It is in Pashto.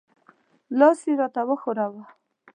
لاس یې را ته وښوراوه.